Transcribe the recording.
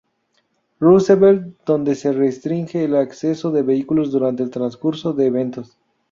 Roosevelt, donde se restringe el acceso de vehículos durante el transcurso de eventos.